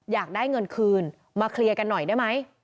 อยากได้เงินคืนมาเคลียร์กันหน่อยได้ไหม